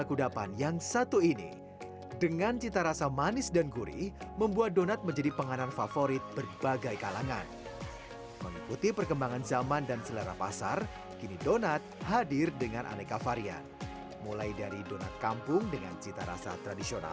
kami hadirkan beritanya untuk anda